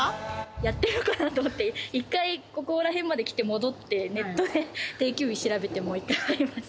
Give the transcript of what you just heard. やってるかなと思って、一回、ここら辺まで来て、戻って、ネットで定休日調べてもう一回入りました。